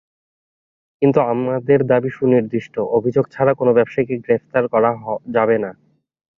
কিন্তু আমাদের দাবি সুনির্দিষ্ট অভিযোগ ছাড়া কোনো ব্যবসায়ীকে গ্রেপ্তার করা যাবে না।